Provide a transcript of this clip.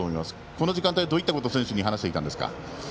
この時間帯はどういったことを選手に話していましたか？